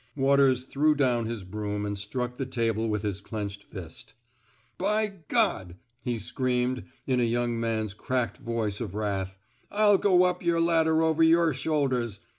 Waters threw down his broom and struck the table with his clenched fist. By G 1 " he screamed, in a young man's cracked voice of wrath, I'll go up yer ladder over yer shoulders!